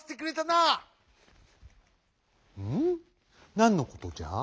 なんのことじゃ？